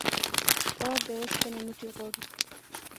کار د اوسپني موټي غواړي